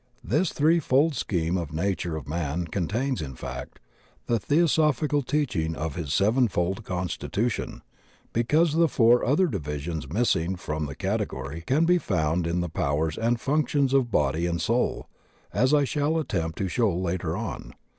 This threefold scheme of the nature of man contains, in fact, the Theosophical teaching of his sevenfold constitution, because the four other divisions missing from the cate gory can be found in the powers and functions of body and soul, as I shall attempt to show later on.